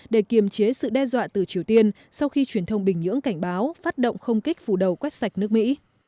để kiềm chế sự đe dọa từ triều tiên sau khi truyền thông bình nhưỡng cảnh báo phát động không kích phủ đầu quét sạch nước mỹ